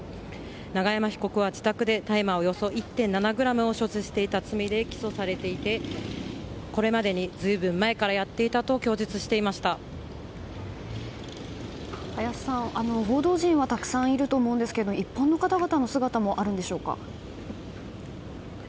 永山被告は自宅で大麻およそ１．７ｇを所持していた罪で起訴されていてこれまでに随分前からやっていたと林さん、報道陣はたくさんいると思うんですけど一般の方々の姿もあるんでしょうか。